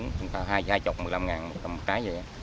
nói chung là đúng khoảng hai mươi hai mươi năm một cái vậy